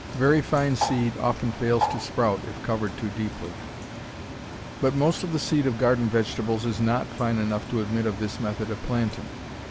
Very fine seed often fails to sprout if covered too deeply. But most of the seed of garden vegetables is not fine enough to admit of this method of planting.